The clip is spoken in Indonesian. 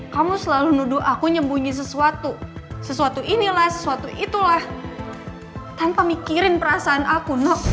kamu selalu nuduh aku nyembunyi sesuatu sesuatu inilah sesuatu itulah tanpa mikirin perasaan aku nok